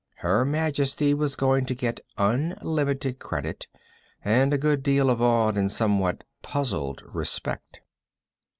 Her Majesty was going to get unlimited credit and a good deal of awed and somewhat puzzled respect.